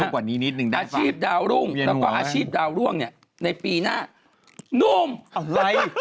แหละเว็บเวียงหนัว